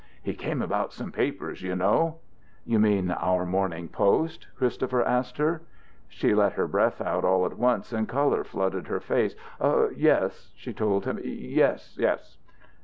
"He came about some papers, you know." "You mean our Morning Post?" Christopher asked her. She let her breath out all at once and colour flooded her face. "Yes," she told him. "Yes, yes."